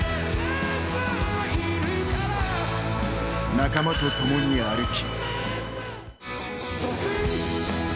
仲間と共に歩き。